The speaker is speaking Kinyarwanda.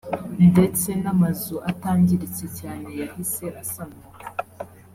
ndetse n’amazu atangiritse cyane yahise asanwa